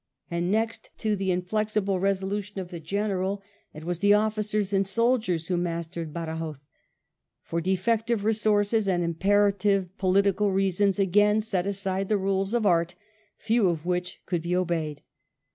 And next to the inflexible resolution of the General, it was the officers and soldiers who mastered Badajos. For defective resources and imperative political reasons again set aside the rules of art, few of which could be obeyed.